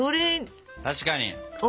確かに！